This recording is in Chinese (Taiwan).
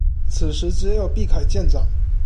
此時只有畢凱艦長